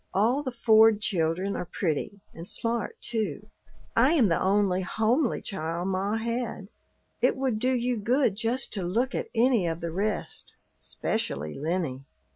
All the Ford children are pretty, and smart, too. I am the only homely child ma had. It would do you good just to look at any of the rest, 'specially Lennie."